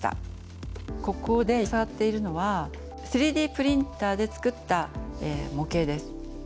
ここで触っているのは３Ｄプリンターで作った模型です。